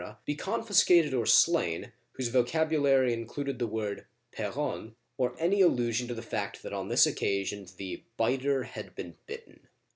be confiscated or slain, whose vo cabulary included the word " P^ronne," or any allusion to the fact that on this occasion the "biter had been bitten."